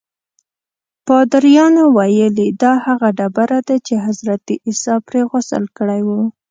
پادریانو ویلي دا هغه ډبره ده چې حضرت عیسی پرې غسل کړی و.